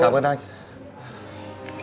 dạ anh em đi việc đi